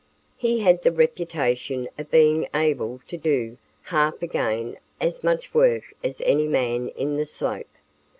He had the reputation of being able to do "half again as much work as any man in the slope."